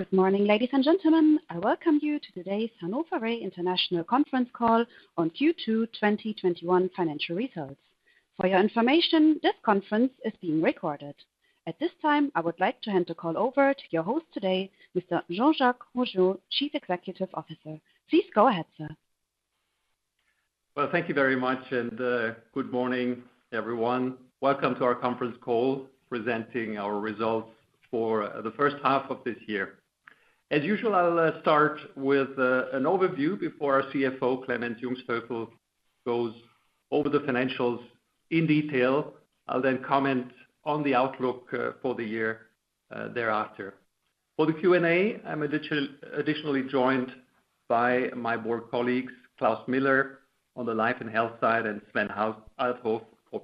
Good morning, ladies and gentlemen. I welcome you to today's Hannover Re international conference call on Q2 2021 financial results. For your information, this conference is being recorded. At this time, I would like to hand the call over to your host today, Mr. Jean-Jacques Henchoz, Chief Executive Officer. Please go ahead, sir. Thank you very much, and good morning, everyone. Welcome to our conference call presenting our results for the first half of this year. As usual, I will start with an overview before our CFO Clemens Jungsthöfel goes over the financials in detail. I will comment on the outlook for the year thereafter. For the Q&A, I am additionally joined by my board colleagues, Klaus Miller on the Life and Health side, and Sven Althoff for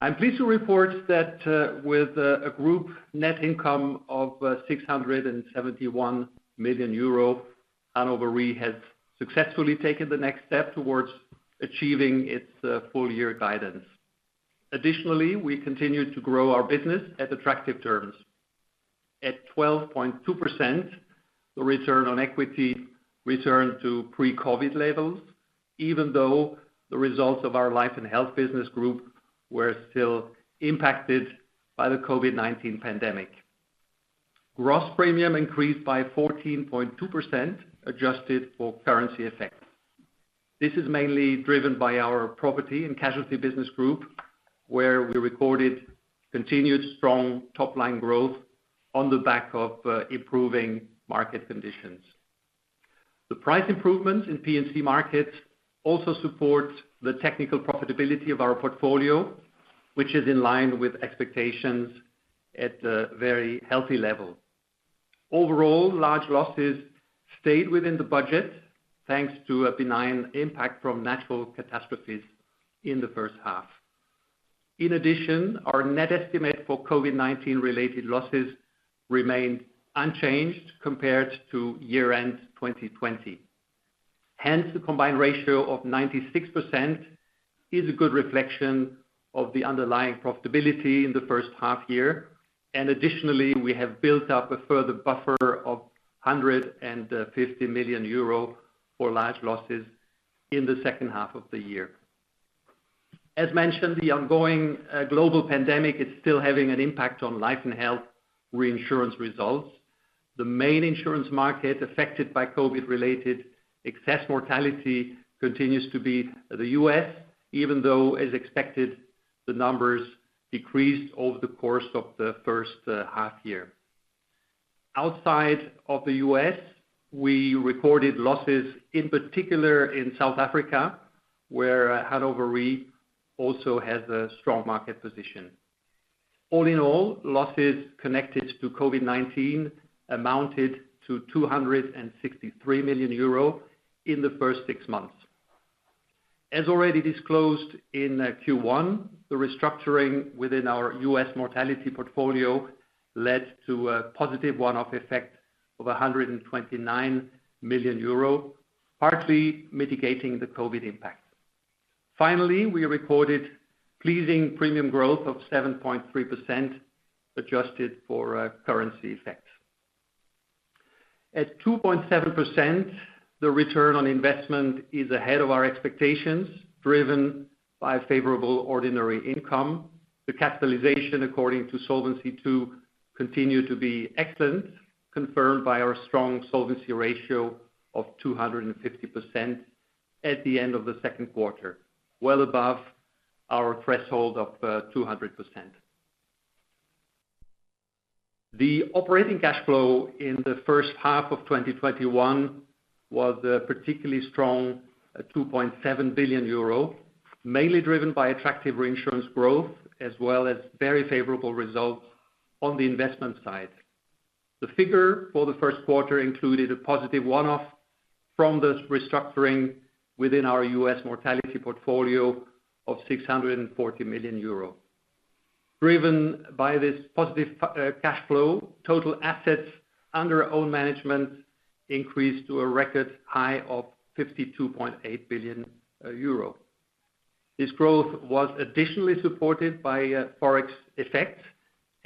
P&C. I am pleased to report that with a group net income of 671 million euro, Hannover Re has successfully taken the next step towards achieving its full-year guidance. Additionally, we continue to grow our business at attractive terms. At 12.2%, the return on equity returned to pre-COVID levels, even though the results of our Life and Health business group were still impacted by the COVID-19 pandemic. Gross premium increased by 14.2%, adjusted for currency effect. This is mainly driven by our Property and Casualty business group, where we recorded continued strong top-line growth on the back of improving market conditions. The price improvements in P&C markets also support the technical profitability of our portfolio, which is in line with expectations at a very healthy level. Overall, large losses stayed within the budget, thanks to a benign impact from natural catastrophes in the first half. In addition, our net estimate for COVID-19-related losses remained unchanged compared to year-end 2020. Hence, the combined ratio of 96% is a good reflection of the underlying profitability in the first half year, and additionally, we have built up a further buffer of 150 million euro for large losses in the second half of the year. As mentioned, the ongoing global pandemic is still having an impact on Life and Health reinsurance results. The main insurance market affected by COVID-related excess mortality continues to be the U.S., even though as expected, the numbers decreased over the course of the first half year. Outside of the U.S., we recorded losses, in particular in South Africa, where Hannover Re also has a strong market position. All in all, losses connected to COVID-19 amounted to 263 million euro in the first six months. As already disclosed in Q1, the restructuring within our U.S. mortality portfolio led to a positive one-off effect of 129 million euro, partly mitigating the COVID impact. Finally, we recorded pleasing premium growth of 7.3%, adjusted for currency effects. At 2.7%, the return on investment is ahead of our expectations, driven by favorable ordinary income. The capitalization according to Solvency II continue to be excellent, confirmed by our strong solvency ratio of 250% at the end of the second quarter, well above our threshold of 200%. The operating cash flow in the first half of 2021 was particularly strong at 2.7 billion euro, mainly driven by attractive reinsurance growth as well as very favorable results on the investment side. The figure for the first quarter included a positive one-off from the restructuring within our U.S. mortality portfolio of 640 million euro. Driven by this positive cash flow, total assets under own management increased to a record high of 52.8 billion euro. This growth was additionally supported by Forex effects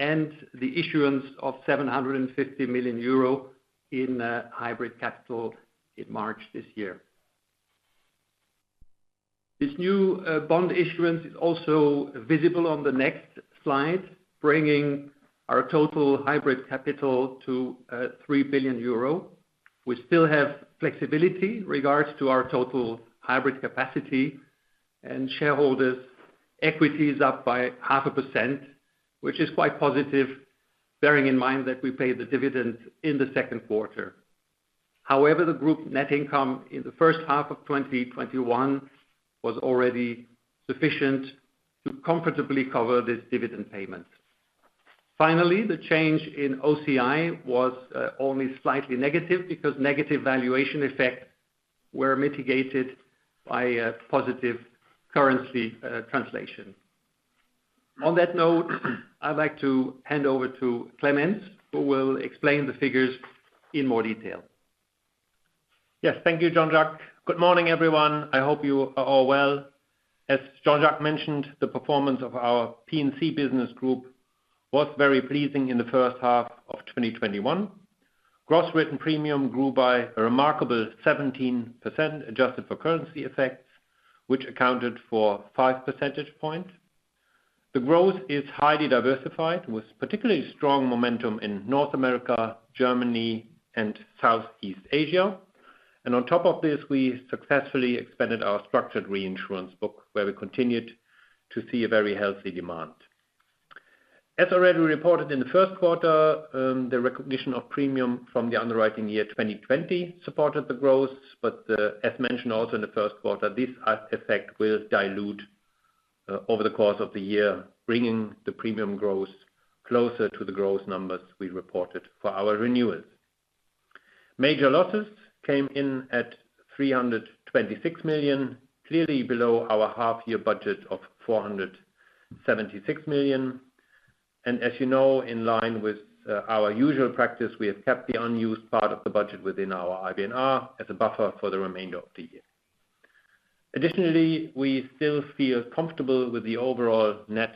and the issuance of 750 million euro in hybrid capital in March this year. This new bond issuance is also visible on the next slide, bringing our total hybrid capital to 3 billion euro. We still have flexibility in regards to our total hybrid capacity, and shareholders' equity is up by 0.5%, which is quite positive, bearing in mind that we paid the dividends in the second quarter. However, the group net income in the first half of 2021 was already sufficient to comfortably cover this dividend payment. Finally, the change in OCI was only slightly negative because negative valuation effects were mitigated by a positive currency translation. On that note, I'd like to hand over to Clemens, who will explain the figures in more detail. Yes. Thank you, Jean-Jacques. Good morning, everyone. I hope you are all well. As Jean-Jacques mentioned, the performance of our P&C business group was very pleasing in the first half of 2021. Gross written premium grew by a remarkable 17%, adjusted for currency effects, which accounted for 5 percentage points. The growth is highly diversified, with particularly strong momentum in North America, Germany, and Southeast Asia. On top of this, we successfully expanded our structured reinsurance book, where we continued to see a very healthy demand. As already reported in the first quarter, the recognition of premium from the underwriting year 2020 supported the growth, but as mentioned also in the first quarter, this effect will dilute over the course of the year, bringing the premium growth closer to the growth numbers we reported for our renewals. Major losses came in at 326 million, clearly below our half-year budget of 476 million. As you know, in line with our usual practice, we have kept the unused part of the budget within our IBNR as a buffer for the remainder of the year. Additionally, we still feel comfortable with the overall net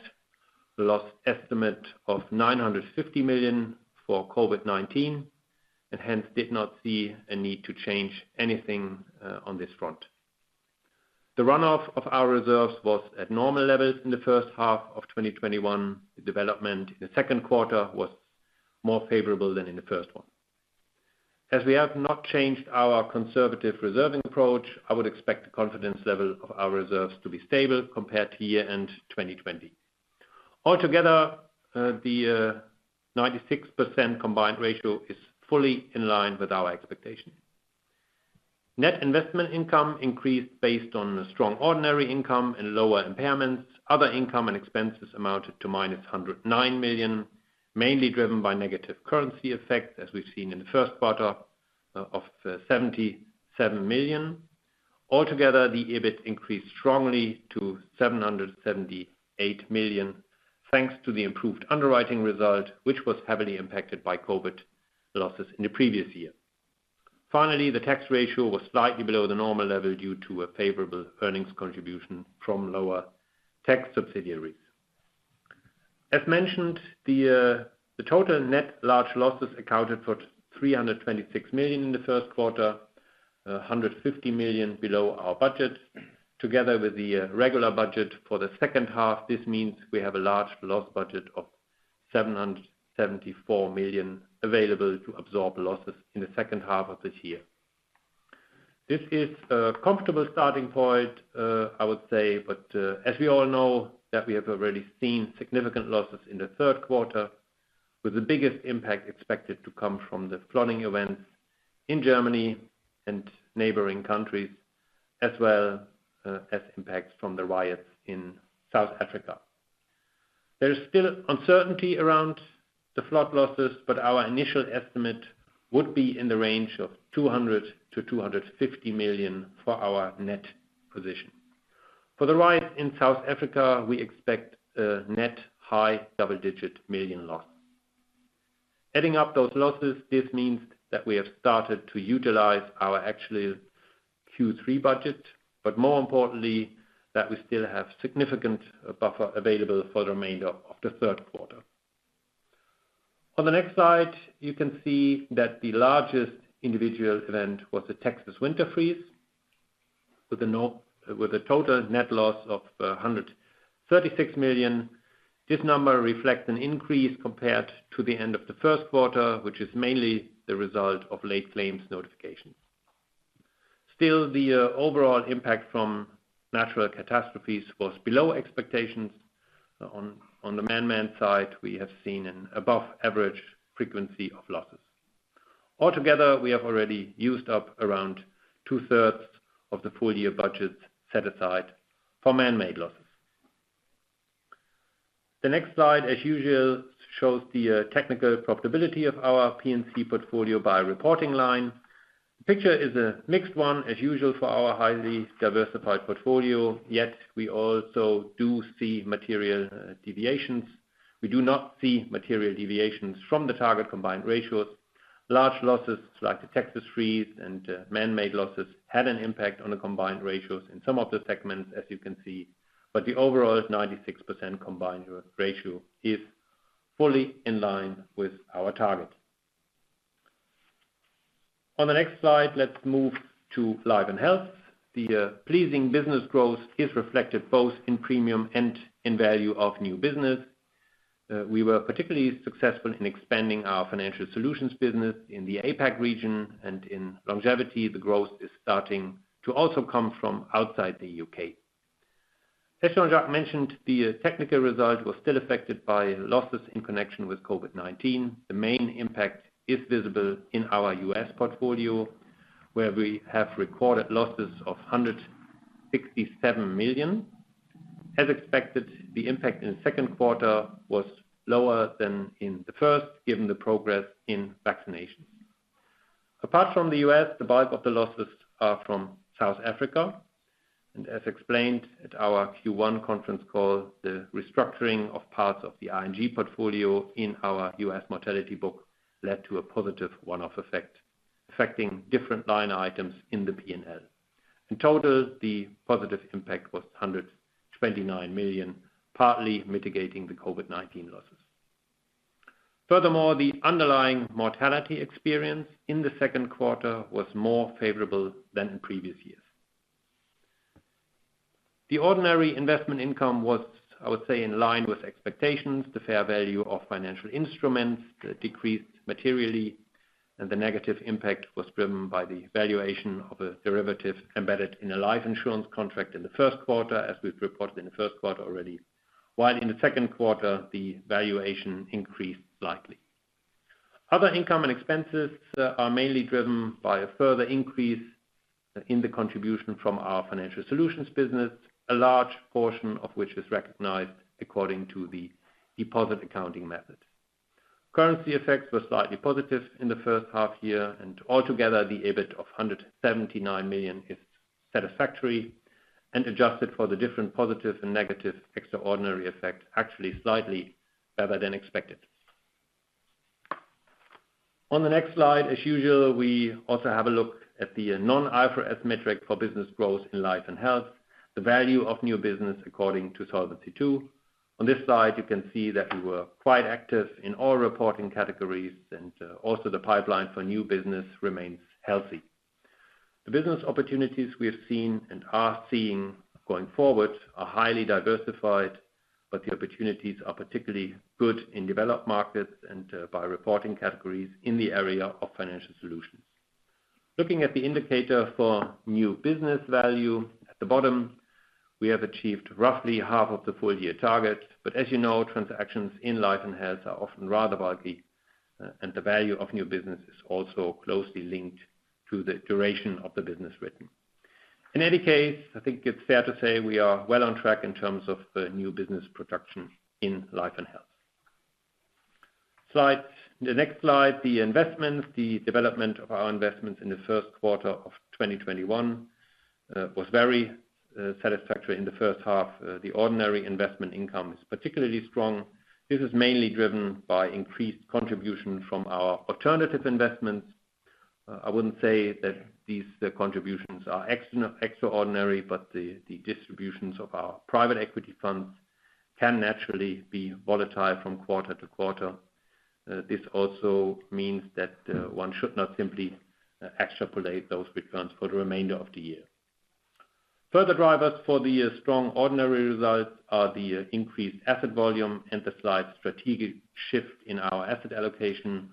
loss estimate of 950 million for COVID-19 and hence did not see a need to change anything on this front. The runoff of our reserves was at normal levels in the first half of 2021. The development in the second quarter was more favorable than in the first one. As we have not changed our conservative reserving approach, I would expect the confidence level of our reserves to be stable compared to year-end 2020. Altogether, the 96% combined ratio is fully in line with our expectation. Net investment income increased based on the strong ordinary income and lower impairments. Other income and expenses amounted to -109 million, mainly driven by negative currency effects, as we've seen in the first quarter of 77 million. Altogether, the EBIT increased strongly to 778 million, thanks to the improved underwriting result, which was heavily impacted by COVID losses in the previous year. Finally, the tax ratio was slightly below the normal level due to a favorable earnings contribution from lower tax subsidiaries. As mentioned, the total net large losses accounted for 326 million in the first quarter, 150 million below our budget. Together with the regular budget for the second half, this means we have a large loss budget of 774 million available to absorb losses in the second half of this year. This is a comfortable starting point, I would say, but as we all know, that we have already seen significant losses in the third quarter, with the biggest impact expected to come from the flooding events in Germany and neighboring countries, as well as impacts from the riots in South Africa. There is still uncertainty around the flood losses, but our initial estimate would be in the range of 200 million-250 million for our net position. For the riots in South Africa, we expect a net high double-digit million loss. Adding up those losses, this means that we have started to utilize our actual Q3 budget, but more importantly, that we still have significant buffer available for the remainder of the third quarter. On the next slide, you can see that the largest individual event was the Texas winter freeze with a total net loss of 136 million. This number reflects an increase compared to the end of the first quarter, which is mainly the result of late claims notifications. Still, the overall impact from natural catastrophes was below expectations. On the man-made side, we have seen an above-average frequency of losses. Altogether, we have already used up around 2/3 of the full-year budget set aside for man-made losses. The next slide, as usual, shows the technical profitability of our P&C portfolio by reporting line. The picture is a mixed one, as usual, for our highly diversified portfolio, yet we also do see material deviations. We do not see material deviations from the target combined ratios. Large losses, like the Texas freeze and man-made losses, had an impact on the combined ratios in some of the segments, as you can see, but the overall 96% combined ratio is fully in line with our target. On the next slide, let's move to Life and Health. The pleasing business growth is reflected both in premium and in value of new business. We were particularly successful in expanding our financial solutions business in the APAC region, and in longevity, the growth is starting to also come from outside the U.K. As Jean-Jacques mentioned, the technical result was still affected by losses in connection with COVID-19. The main impact is visible in our U.S. portfolio, where we have recorded losses of 167 million. As expected, the impact in the second quarter was lower than in the first, given the progress in vaccinations. Apart from the U.S., the bulk of the losses are from South Africa. As explained at our Q1 conference call, the restructuring of parts of the ING portfolio in our U.S. mortality book led to a positive one-off effect, affecting different line items in the P&L. In total, the positive impact was 129 million, partly mitigating the COVID-19 losses. Furthermore, the underlying mortality experience in the second quarter was more favorable than in previous years. The ordinary investment income was, I would say, in line with expectations. The fair value of financial instruments decreased materially, and the negative impact was driven by the valuation of a derivative embedded in a life insurance contract in the first quarter, as we've reported in the first quarter already. While in the second quarter, the valuation increased slightly. Other income and expenses are mainly driven by a further increase in the contribution from our financial solutions business, a large portion of which is recognized according to the deposit accounting method. Currency effects were slightly positive in the first half year, and altogether, the EBIT of 179 million is satisfactory, and adjusted for the different positive and negative extraordinary effect, actually slightly better than expected. On the next slide, as usual, we also have a look at the non-IFRS metric for business growth in Life and Health, the value of new business according to Solvency II. On this slide, you can see that we were quite active in all reporting categories and also the pipeline for new business remains healthy. The business opportunities we have seen and are seeing going forward are highly diversified, but the opportunities are particularly good in developed markets and by reporting categories in the area of financial solutions. Looking at the indicator for new business value at the bottom, we have achieved roughly half of the full-year target, but as you know, transactions in Life and Health are often rather bulky, and the value of new business is also closely linked to the duration of the business written. In any case, I think it's fair to say we are well on track in terms of new business production in Life and Health. The next slide, the investments. The development of our investments in the first quarter of 2021 was very satisfactory in the first half. The ordinary investment income is particularly strong. This is mainly driven by increased contribution from our alternative investments. I wouldn't say that these contributions are extraordinary, but the distributions of our private equity funds can naturally be volatile from quarter to quarter. This also means that one should not simply extrapolate those returns for the remainder of the year. Further drivers for the strong ordinary results are the increased asset volume and the slight strategic shift in our asset allocation,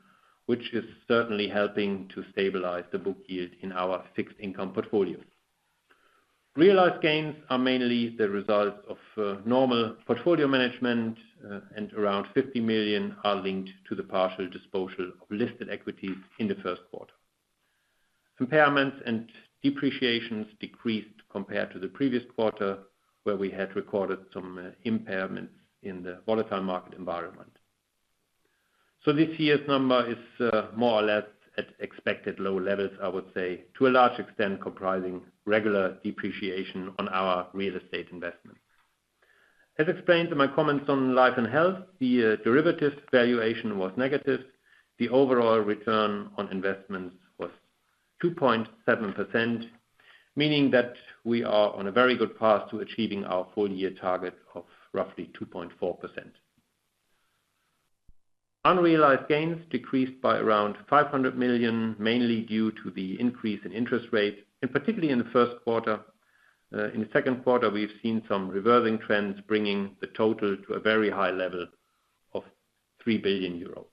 which is certainly helping to stabilize the book yield in our fixed income portfolio. Realized gains are mainly the result of normal portfolio management, and around 50 million are linked to the partial disposal of listed equities in the first quarter. Impairments and depreciations decreased compared to the previous quarter, where we had recorded some impairments in the volatile market environment. This year's number is more or less at expected low levels, I would say, to a large extent, comprising regular depreciation on our real estate investments. As explained in my comments on Life and Health, the derivatives valuation was negative. The overall return on investments was 2.7%, meaning that we are on a very good path to achieving our full-year target of roughly 2.4%. Unrealized gains decreased by around 500 million, mainly due to the increase in interest rates, and particularly in the first quarter. In the second quarter, we've seen some reversing trends, bringing the total to a very high level of 3 billion euro.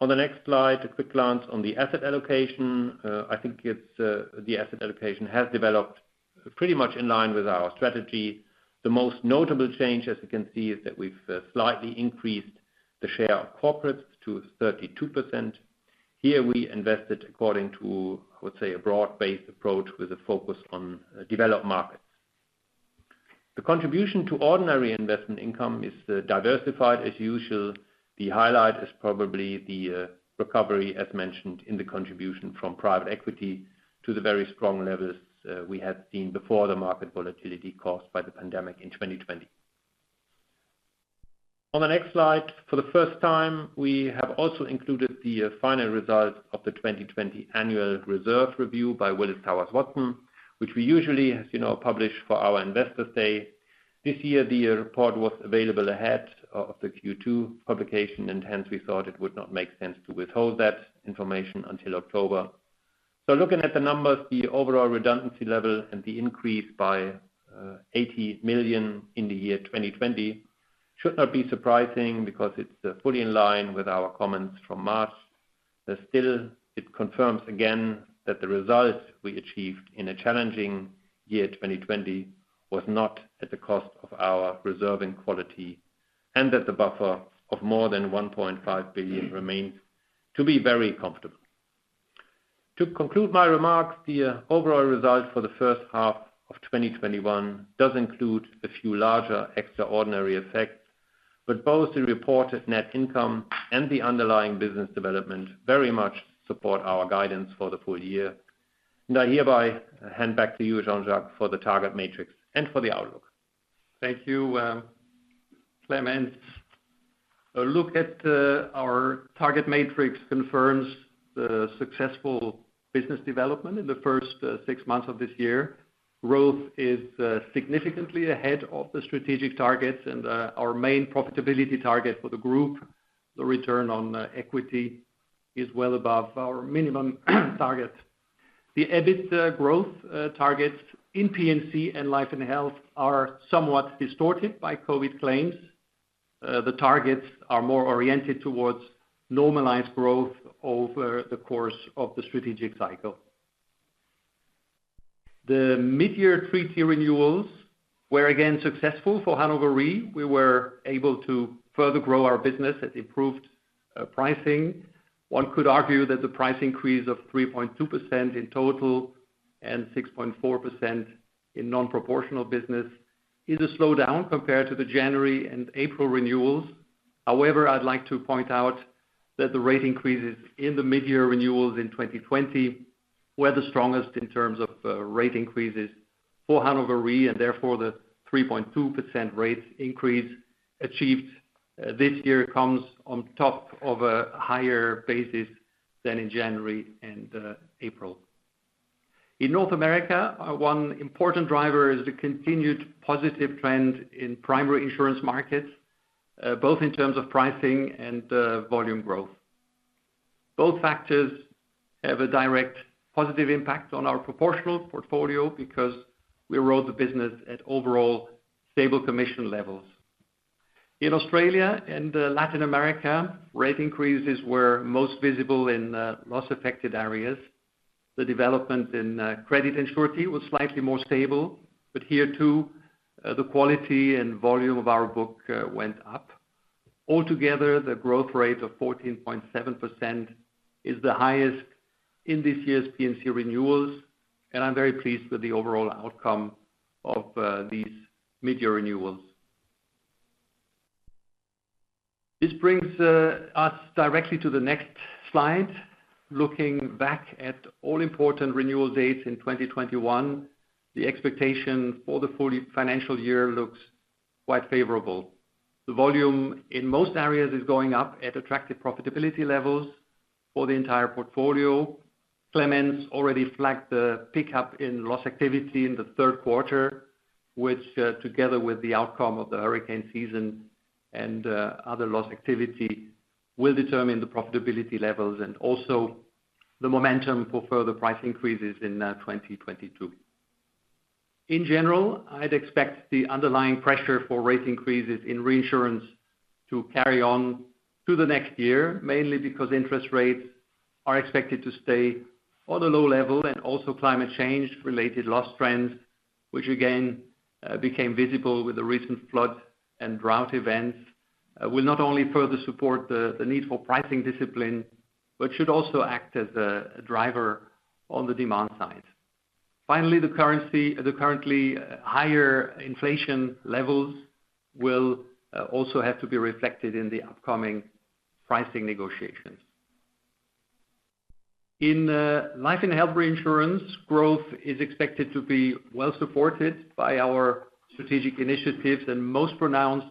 On the next slide, a quick glance on the asset allocation. I think the asset allocation has developed pretty much in line with our strategy. The most notable change, as you can see, is that we've slightly increased the share of corporates to 32%. Here, we invested according to, I would say, a broad-based approach with a focus on developed markets. The contribution to ordinary investment income is diversified as usual. The highlight is probably the recovery, as mentioned, in the contribution from private equity to the very strong levels we had seen before the market volatility caused by the pandemic in 2020. On the next slide, for the first time, we have also included the final result of the 2020 Annual Reserve Review by Willis Towers Watson, which we usually, as you know, publish for our Investors Day. This year, the report was available ahead of the Q2 publication, and hence we thought it would not make sense to withhold that information until October. Looking at the numbers, the overall redundancy level and the increase by 80 million in the year 2020 should not be surprising because it's fully in line with our comments from March. Still, it confirms again that the result we achieved in a challenging year 2020 was not at the cost of our reserving quality and that the buffer of more than 1.5 billion remains to be very comfortable. To conclude my remarks, the overall result for the first half of 2021 does include a few larger, extraordinary effects. Both the reported net income and the underlying business development very much support our guidance for the full year. I hereby hand back to you, Jean-Jacques, for the target matrix and for the outlook. Thank you, Clemens. A look at our target matrix confirms the successful business development in the first six months of this year. Growth is significantly ahead of the strategic targets and our main profitability target for the group, the return on equity, is well above our minimum target. The EBIT growth targets in P&C and Life and Health are somewhat distorted by COVID claims. The targets are more oriented towards normalized growth over the course of the strategic cycle. The mid-year treaty renewals were, again, successful for Hannover Re. We were able to further grow our business at improved pricing. One could argue that the price increase of 3.2% in total and 6.4% in non-proportional business is a slowdown compared to the January and April renewals. However, I'd like to point out that the rate increases in the mid-year renewals in 2020 were the strongest in terms of rate increases for Hannover Re, and therefore, the 3.2% rate increase achieved this year comes on top of a higher basis than in January and April. In North America, one important driver is the continued positive trend in primary insurance markets both in terms of pricing and volume growth. Both factors have a direct positive impact on our proportional portfolio because we wrote the business at overall stable commission levels. In Australia and Latin America, rate increases were most visible in loss-affected areas. The development in credit and surety was slightly more stable, but here too, the quality and volume of our book went up. Altogether, the growth rate of 14.7% is the highest in this year's P&C renewals, and I'm very pleased with the overall outcome of these mid-year renewals. This brings us directly to the next slide. Looking back at all important renewal dates in 2021, the expectation for the full financial year looks quite favorable. The volume in most areas is going up at attractive profitability levels for the entire portfolio. Clemens already flagged the pickup in loss activity in the third quarter, which, together with the outcome of the hurricane season and other loss activity, will determine the profitability levels and also the momentum for further price increases in 2022. In general, I'd expect the underlying pressure for rate increases in reinsurance to carry on to the next year, mainly because interest rates are expected to stay on a low level, and also climate change-related loss trends, which again became visible with the recent flood and drought events, will not only further support the need for pricing discipline, but should also act as a driver on the demand side. Finally, the currently higher inflation levels will also have to be reflected in the upcoming pricing negotiations. In Life and Health reinsurance, growth is expected to be well-supported by our strategic initiatives and most pronounced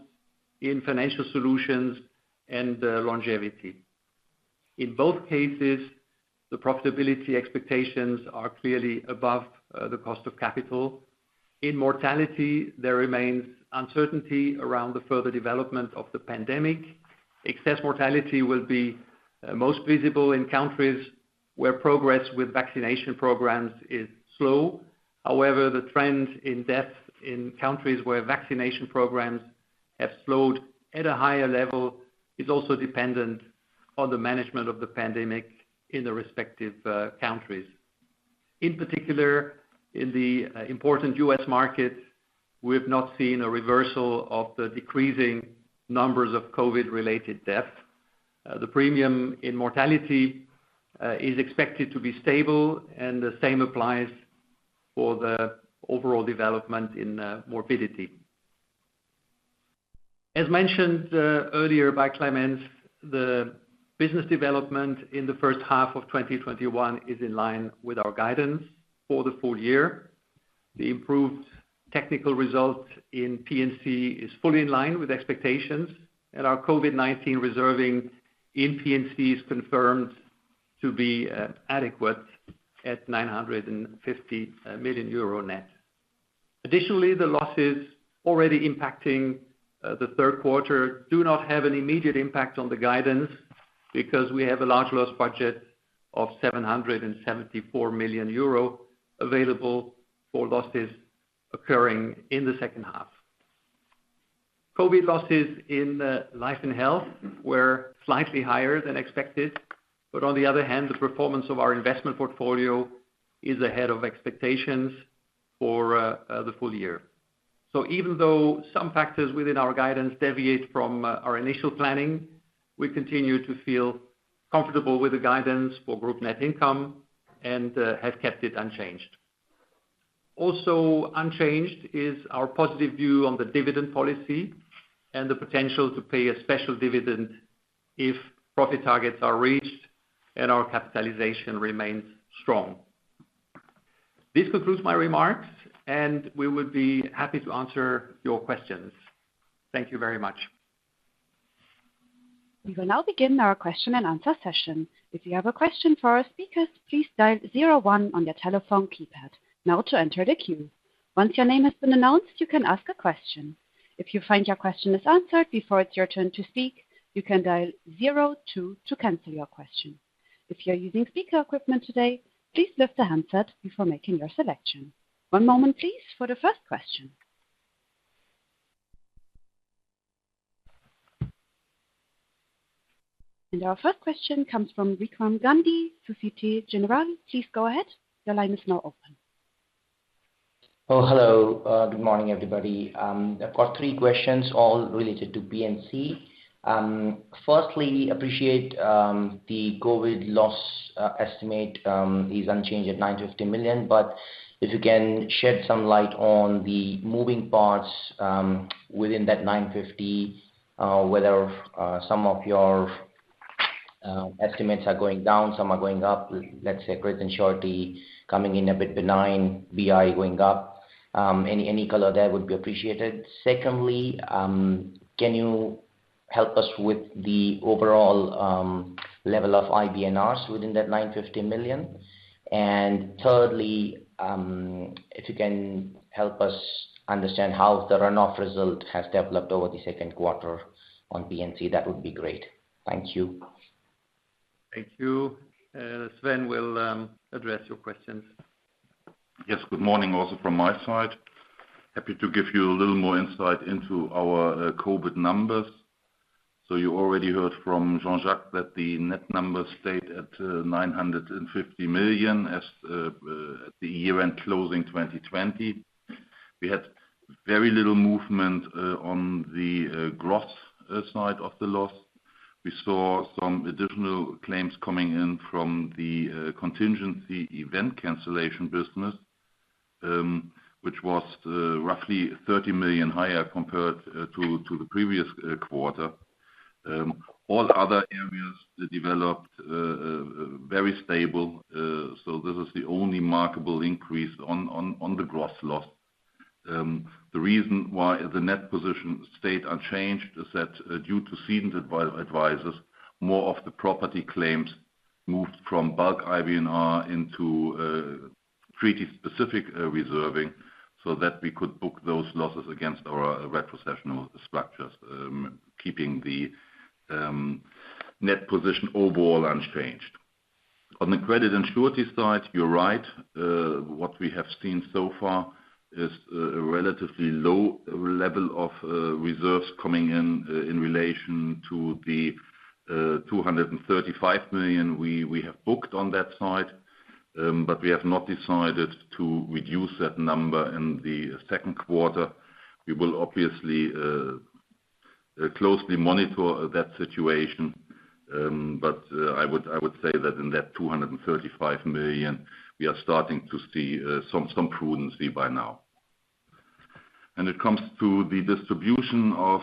in financial solutions and longevity. In both cases, the profitability expectations are clearly above the cost of capital. In mortality, there remains uncertainty around the further development of the pandemic. Excess mortality will be most visible in countries where progress with vaccination programs is slow. However, the trend in deaths in countries where vaccination programs have slowed at a higher level is also dependent on the management of the pandemic in the respective countries. In particular, in the important U.S. market, we have not seen a reversal of the decreasing numbers of COVID-related deaths. The premium in mortality is expected to be stable, and the same applies for the overall development in morbidity. As mentioned earlier by Clemens, the business development in the first half of 2021 is in line with our guidance for the full year. The improved technical result in P&C is fully in line with expectations, and our COVID-19 reserving in P&C is confirmed to be adequate at 950 million euro net. Additionally, the losses already impacting the third quarter do not have an immediate impact on the guidance because we have a large loss budget of 774 million euro available for losses occurring in the second half. COVID losses in Life and Health were slightly higher than expected. On the other hand, the performance of our investment portfolio is ahead of expectations for the full year. Even though some factors within our guidance deviate from our initial planning, we continue to feel comfortable with the guidance for group net income and have kept it unchanged. Also unchanged is our positive view on the dividend policy and the potential to pay a special dividend if profit targets are reached and our capitalization remains strong. This concludes my remarks, and we would be happy to answer your questions. Thank you very much. We will now begin our question-and-answer session. If you have a question for our speakers, please dial zero one on your telephone keypad now to enter the queue. Once your name has been announced, you can ask a question. If you find your question is answered before it's your turn to speak, you can dial zero two to cancel your question. If you're using a speaker equipment today, please lift your handset before making your selection. One moment please for the first question. Our first question comes from Vikram Gandhi, Societe Generale. Please go ahead. Your line is now open. Oh, hello. Good morning, everybody. I've got three questions, all related to P&C. Firstly, appreciate the COVID loss estimate is unchanged at 950 million, but if you can shed some light on the moving parts within that 950 million, whether some of your estimates are going down, some are going up, let's say credit and surety coming in a bit benign, BI going up. Any color there would be appreciated. Secondly, can you help us with the overall level of IBNRs within that 950 million? Thirdly, if you can help us understand how the runoff result has developed over the second quarter on P&C, that would be great. Thank you. Thank you. Sven will address your questions. Yes, good morning also from my side. Happy to give you a little more insight into our COVID numbers. You already heard from Jean-Jacques that the net numbers stayed at 950 million at the year-end closing 2020. We had very little movement on the gross side of the loss. We saw some additional claims coming in from the contingency event cancellation business, which was roughly 30 million higher compared to the previous quarter. All other areas developed very stable, so this is the only marketable increase on the gross loss. The reason why the net position stayed unchanged is that due to cedent advisories, more of the property claims moved from bulk IBNR into treaty-specific reserving so that we could book those losses against our retrocessional structures, keeping the net position overall unchanged. On the credit and surety side, you're right. What we have seen so far is a relatively low level of reserves coming in relation to the 235 million we have booked on that side. We have not decided to reduce that number in the second quarter. We will obviously closely monitor that situation, but I would say that in that 235 million, we are starting to see some prudency by now. When it comes to the distribution of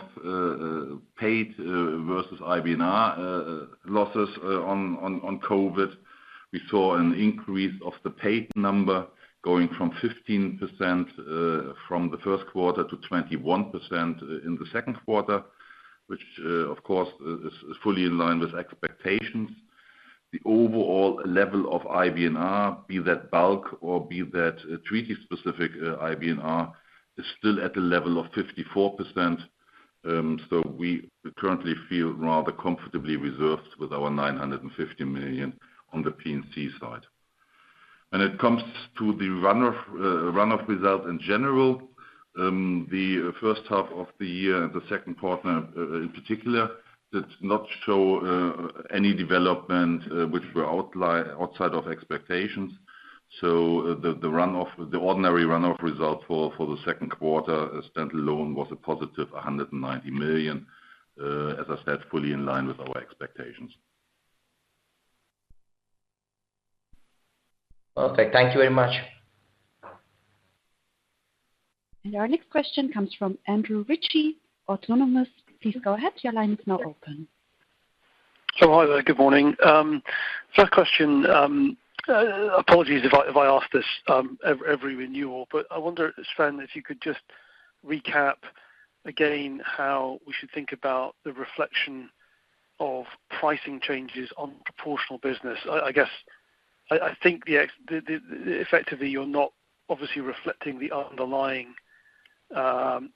paid versus IBNR losses on COVID, we saw an increase of the paid number going from 15% from the first quarter to 21% in the second quarter, which of course, is fully in line with expectations. The overall level of IBNR, be that bulk or be that treaty-specific IBNR, is still at the level of 54%. We currently feel rather comfortably reserved with our 950 million on the P&C side. When it comes to the runoff result in general, the first half of the year, the second quarter in particular, did not show any development which were outside of expectations. The ordinary runoff result for the second quarter stand-alone was a +190 million. As I said, fully in line with our expectations. Okay, thank you very much. Our next question comes from Andrew Ritchie, Autonomous. Please go ahead. Your line is now open. Hi there. Good morning. First question, apologies if I ask this every renewal, but I wonder, Sven, if you could just recap, again, how we should think about the reflection of pricing changes on proportional business. I guess, I think effectively, you're not obviously reflecting the underlying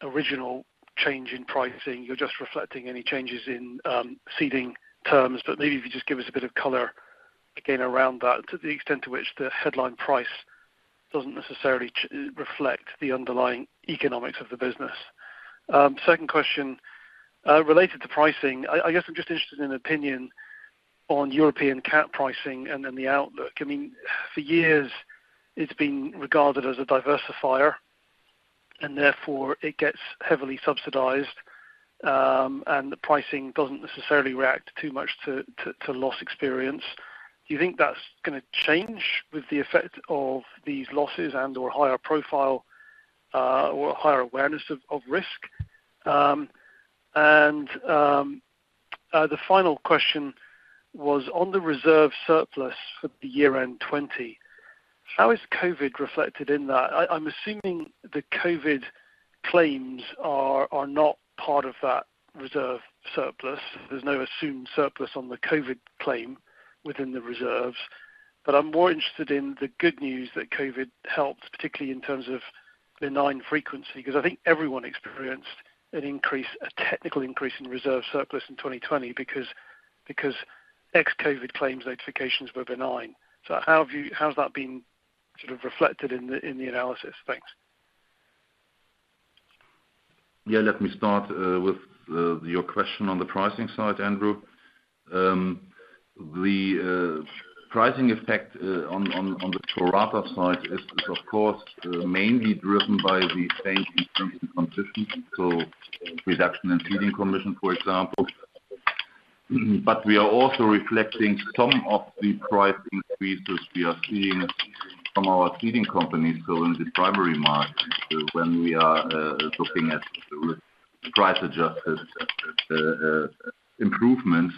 original change in pricing. You're just reflecting any changes in ceding terms. Maybe, if you just give us a bit of color again around that, to the extent to which the headline price doesn't necessarily reflect the underlying economics of the business. Second question, related to pricing. I guess I'm just interested in an opinion on European cat pricing and then the outlook. For years, it's been regarded as a diversifier, and therefore, it gets heavily subsidized, and the pricing doesn't necessarily react too much to loss experience. Do you think that's going to change with the effect of these losses and/or higher profile or higher awareness of risk? The final question was on the reserve surplus for the year-end 2020. How is COVID reflected in that? I'm assuming the COVID claims are not part of that reserve surplus. There's no assumed surplus on the COVID claim within the reserves, but I'm more interested in the good news that COVID helped, particularly in terms of benign frequency, because I think everyone experienced a technical increase in reserve surplus in 2020 because ex-COVID claims notifications were benign. How has that been reflected in the analysis? Thanks. Yeah, let me start with your question on the pricing side, Andrew. The pricing effect on the pro rata side is of course, mainly driven by the change in terms and conditions, so reduction in ceding commission, for example. We are also reflecting some of the pricing increases we are seeing from our ceding companies. In the primary market, when we are looking at price adjusted improvements,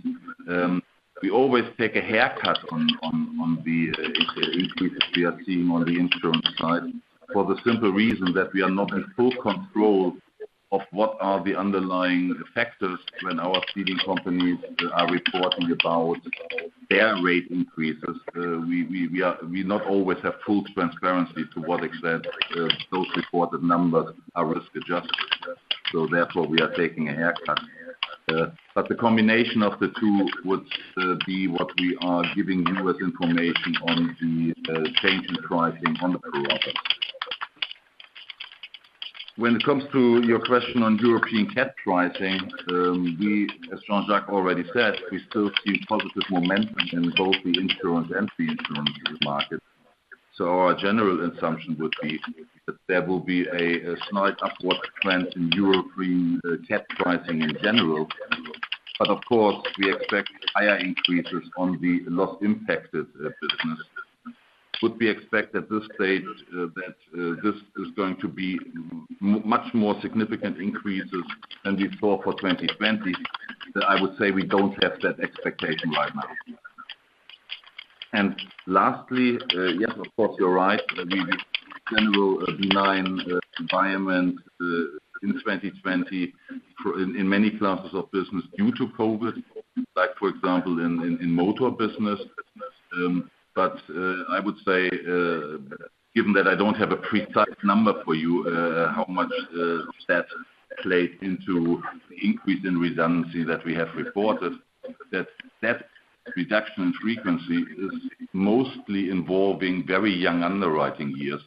we always take a haircut on the increase that we are seeing on the insurance side for the simple reason that we are not in full control of what are the underlying factors when our ceding companies are reporting about their rate increases. We not always have full transparency to what extent those reported numbers are risk adjusted. Therefore, we are taking a haircut. But the combination of the two would be what we are giving you as information on the change in pricing on the pro rata. When it comes to your question on European cat pricing, as Jean-Jacques already said, we still see positive momentum in both the insurance and the insurance markets. Our general assumption would be that there will be a slight upward trend in European cat pricing in general, but of course, we expect higher increases on the loss impacted business. Would we expect at this stage that this is going to be much more significant increases than we saw for 2020? I would say we don't have that expectation right now. Lastly, yes, of course, you're right. We had a general benign environment in 2020 in many classes of business due to COVID. Like, for example, in motor business. I would say, given that I don't have a precise number for you how much that played into the increase in redundancy that we have reported, that reduction in frequency is mostly involving very young underwriting years,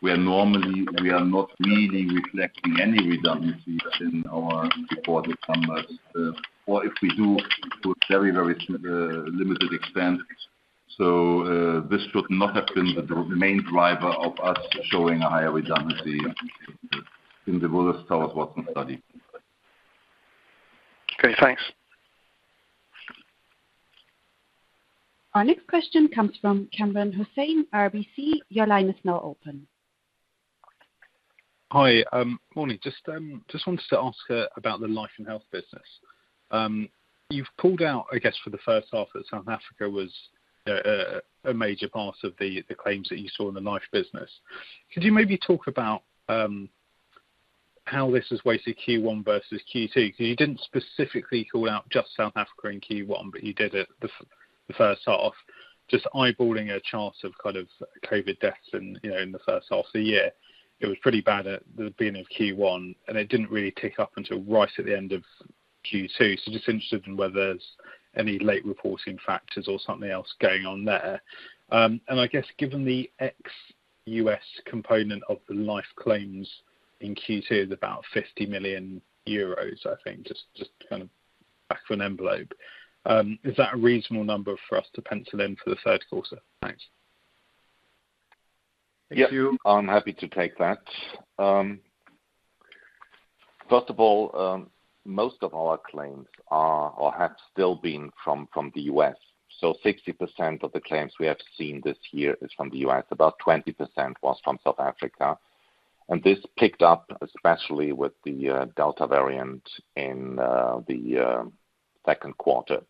where normally we are not really reflecting any redundancies in our reported numbers. If we do, to a very limited extent. This should not have been the main driver of us showing a higher redundancy in the Willis Towers Watson study. Okay, thanks. Our next question comes from Kamran Hossain, RBC. Your line is now open. Hi. Morning. Just wanted to ask about the Life and Health business. You've pulled out, I guess, for the first half that South Africa was a major part of the claims that you saw in the Life business. Could you maybe talk about how this is weighted Q1 versus Q2? You didn't specifically call out just South Africa in Q1, but you did it the first half. Just eyeballing a chart of COVID deaths in the first half of the year, it was pretty bad at the beginning of Q1, and it didn't really tick up until right at the end of Q2, so just interested in whether there's any late reporting factors or something else going on there. I guess given the ex-U.S. component of the life claims in Q2 is about 50 million euros, I think, just kind of back of an envelope, is that a reasonable number for us to pencil in for the third quarter? Thanks. Yeah. I'm happy to take that. First of all, most of our claims are or have still been from the U.S., so 60% of the claims we have seen this year is from the U.S., about 20% was from South Africa. This picked up especially with the Delta variant in the second quarter.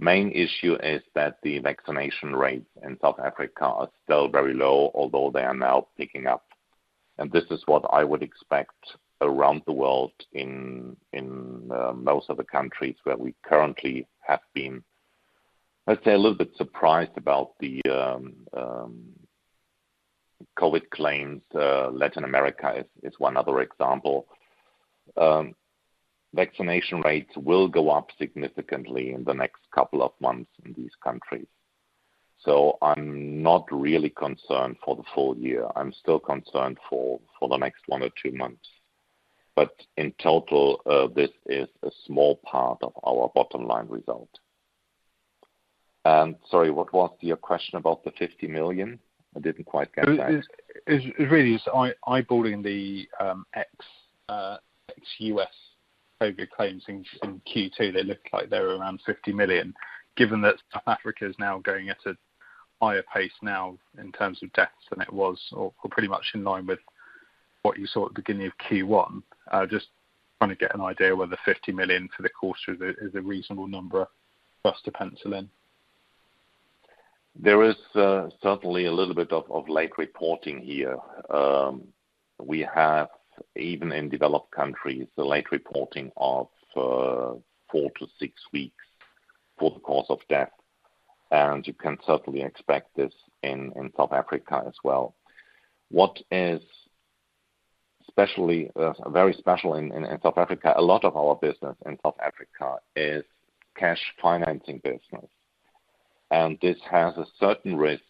Main issue is that the vaccination rates in South Africa are still very low, although they are now picking up. This is what I would expect around the world in most of the countries where we currently have been, let's say, a little bit surprised about the COVID claims. Latin America is one other example. Vaccination rates will go up significantly in the next couple of months in these countries. I'm not really concerned for the full year. I'm still concerned for the next one or two months. In total, this is a small part of our bottom line result. Sorry, what was your question about the 50 million? I didn't quite get that. It really is eyeballing the ex-U.S. COVID claims in Q2, they looked like they were around 50 million. Given that South Africa is now going at a higher pace now in terms of deaths than it was, or pretty much in line with what you saw at the beginning of Q1, just trying to get an idea whether 50 million for the quarter is a reasonable number for us to pencil in. There is certainly a little bit of late reporting here. We have, even in developed countries, a late reporting of four to six weeks for the cause of death, and you can certainly expect this in South Africa as well. What is very special in South Africa, a lot of our business in South Africa is cash financing business. This has a certain risk,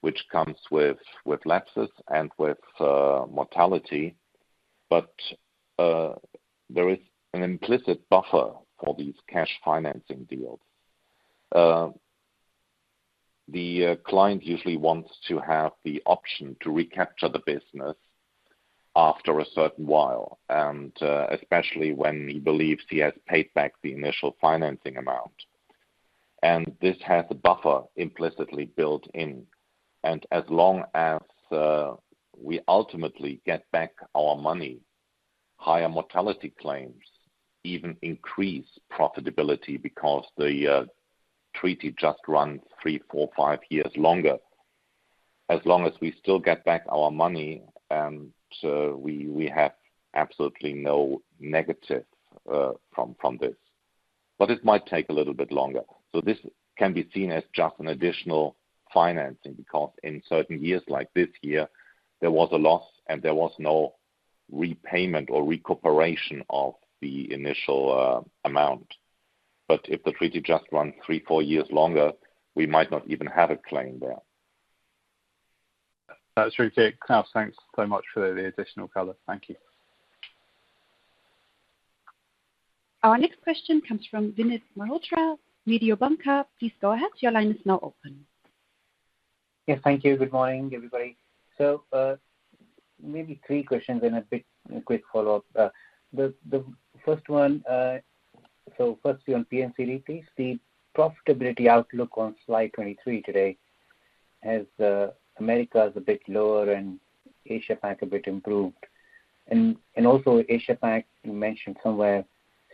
which comes with lapses and with mortality, but there is an implicit buffer for these cash financing deals. The client usually wants to have the option to recapture the business after a certain while, and especially when he believes he has paid back the initial financing amount. This has a buffer implicitly built in. As long as we ultimately get back our money, higher mortality claims even increase profitability because the treaty just runs three, four, five years longer. As long as we still get back our money, and so we have absolutely no negative from this. It might take a little bit longer. This can be seen as just an additional financing, because in certain years like this year, there was a loss and there was no repayment or recuperation of the initial amount. If the treaty just run three, four years longer, we might not even have a claim there. That's okay. Klaus, thanks so much for the additional color. Thank you. Our next question comes from Vinit Malhotra, Mediobanca. Please go ahead. Your line is now open. Yes, thank you. Good morning, everybody. Maybe, three questions and a quick follow-up. The first one, firstly on P&C repeat, the profitability outlook on slide 23 today, as Americas a bit lower and Asia PAC a bit improved. Also, Asia PAC, you mentioned somewhere,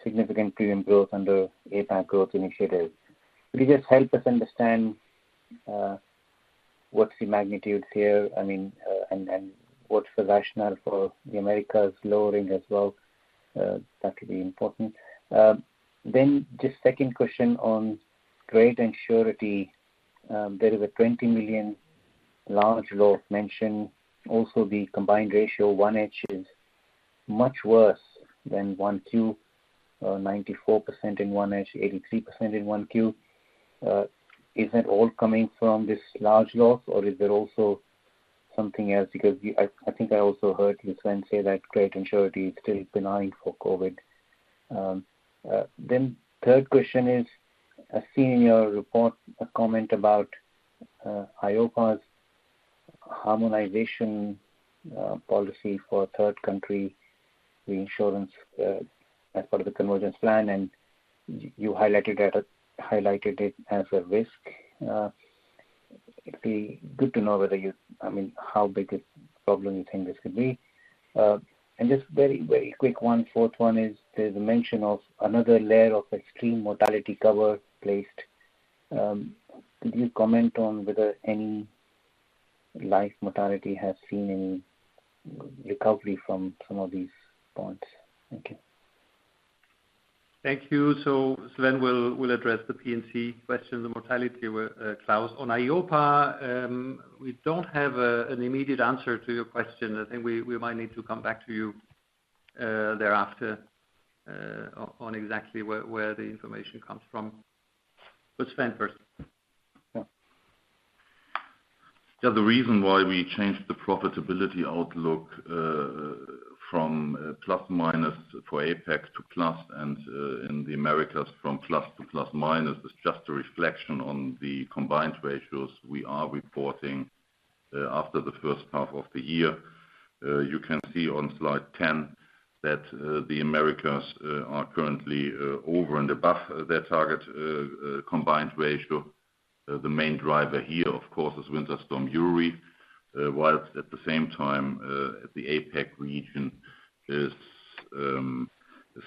significant premium growth under APAC growth initiatives. Could you just help us understand what's the magnitude here, and what's the rationale for the Americas lowering as well? That could be important. Then, just second question on credit and surety. There is a 20 million large loss mentioned, also the combined ratio, 1H is much worse than 1Q, 94% in 1H, 83% in 1Q. Is that all coming from this large loss or is there also something else? I think I also heard you, Sven, say that credit and surety is still benign for COVID. Third question is, I've seen in your report a comment about EIOPA's harmonization policy for third country reinsurance as part of the convergence plan, and you highlighted it as a risk. It'd be good to know how big a problem you think this could be. Just very, very quick one, fourth one is, there's a mention of another layer of extreme mortality cover placed. Could you comment on whether any life mortality has seen any recovery from some of these points? Thank you. Thank you. Sven will address the P&C questions and mortality with Klaus. On EIOPA, we don't have an immediate answer to your question. I think we might need to come back to you thereafter, on exactly where the information comes from, but Sven first. The reason why we changed the profitability outlook from plus minus for APAC to plus and the Americas from plus to plus minus is just a reflection on the combined ratios we are reporting after the first half of the year. You can see on slide 10 that the Americas are currently over and above their target combined ratio. The main driver here, of course, is Winter Storm Uri. While at the same time, the APAC region is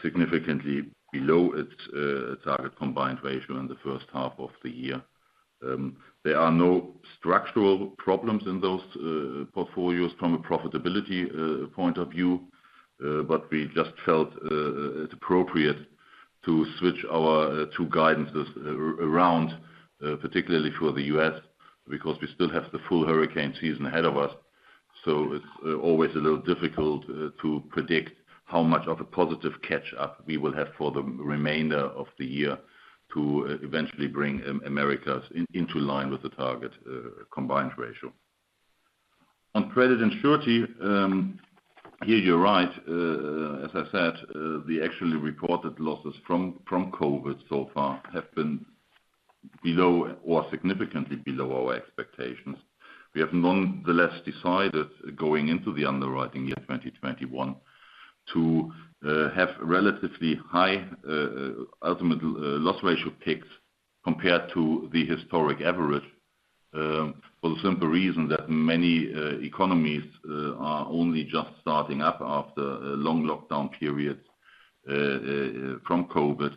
significantly below its target combined ratio in the first half of the year. There are no structural problems in those portfolios from a profitability point of view, but we just felt it appropriate to switch our two guidances around, particularly for the U.S., because we still have the full hurricane season ahead of us. It's always a little difficult to predict how much of a positive catch-up we will have for the remainder of the year to eventually bring Americas into line with the target combined ratio. On credit and surety, yeah, you're right. As I said, the actually reported losses from COVID so far have been below or significantly below our expectations. We have nonetheless decided, going into the underwriting year 2021, to have relatively high ultimate loss ratio picks compared to the historic average for the simple reason that many economies are only just starting up after long lockdown periods from COVID.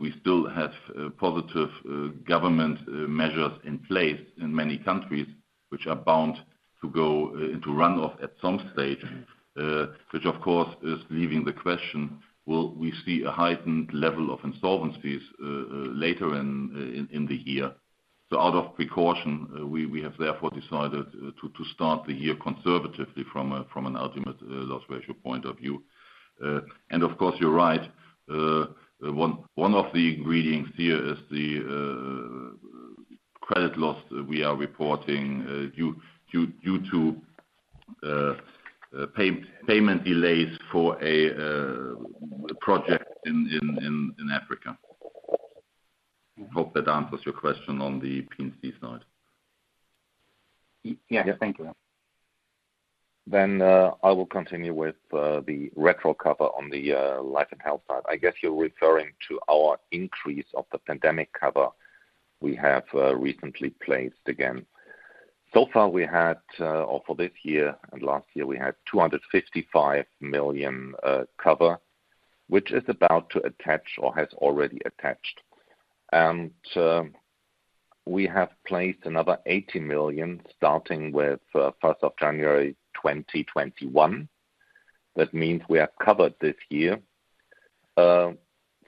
We still have positive government measures in place in many countries, which are bound to run off at some stage. Which, of course, is leaving the question, will we see a heightened level of insolvencies later in the year? Out of precaution, we have therefore decided to start the year conservatively from an ultimate loss ratio point of view. Of course, you're right. One of the ingredients here is the credit loss we are reporting due to payment delays for a project in Africa. Hope that answers your question on the P&C side. Yeah. Thank you. I will continue with the retro cover on the Life and Health side. I guess you're referring to our increase of the pandemic cover we have recently placed again. So far, we had for this year and last year, we had 255 million cover, which is about to attach or has already attached. We have placed another 80 million, starting with 1st of January 2021. That means we are covered this year.